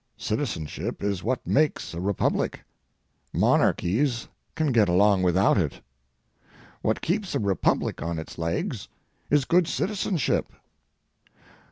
Citizenship is what makes a republic; monarchies can get along without it. What keeps a republic on its legs is good citizenship.